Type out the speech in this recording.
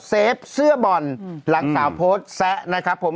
เฟฟเสื้อบ่อนหลังสาวโพสต์แซะนะครับผม